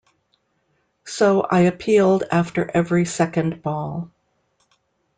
So I appealed after every second ball.